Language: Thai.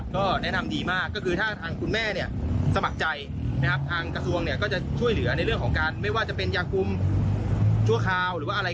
ใครที่ยังไม่พร้อมมีความสมัครใจ